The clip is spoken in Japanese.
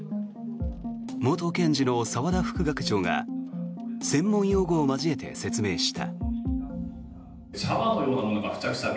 元検事の澤田副学長が専門用語を交えて説明した。